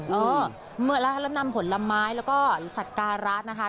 เพราะเมื่อเรานำผลไม้และสัตว์การราชิกาเวสวัน